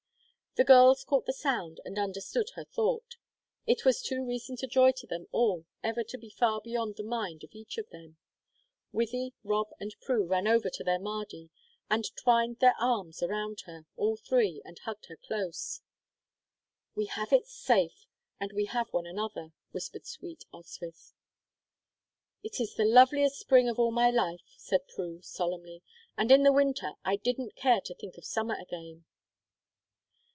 The girls caught the sound and understood her thought it was too recent a joy to them all ever to be far beyond the mind of each of them. Wythie, Rob, and Prue ran over to their Mardy and twined their arms around her, all three, and hugged her close. "We have it safe, and we have one another," whispered sweet Oswyth. "It's the loveliest spring of all my life," said Prue, solemnly. "And in the winter I didn't dare to think of summer again."